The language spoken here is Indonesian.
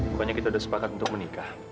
pokoknya kita udah sepakat untuk menikah